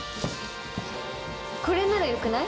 これならよくない？